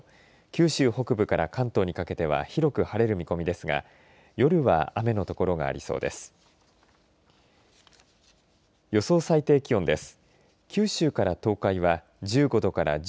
九州北部から関東にかけては広く晴れる見込みですが夜は雨の所がありそうです。